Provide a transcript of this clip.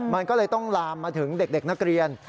มันก็เลยต้องลามมาถึงเด็กนักเรียน